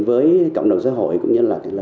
với cộng đồng xã hội cũng như là